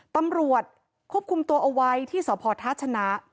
ตำรวจควบคุมตัวเอาไว้ที่สพท่าชนะ